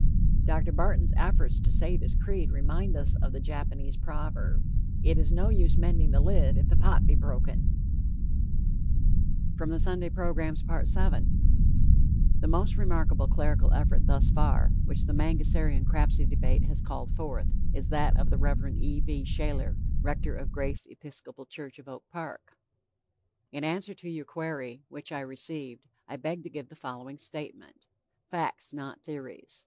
Dr. Barton's efforts to save his creed remind us of the Japanese proverb: "It is no use mending the lid, if the pot be broken." VII The most remarkable clerical effort thus far, which The Mangasarian Crapsey Debate has called forth, is that of the Rev. E. V. Shayler, rector of Grace Episcopal Church of Oak Park. "In answer to your query, which I received, I beg to give the following statement. Facts, not theories.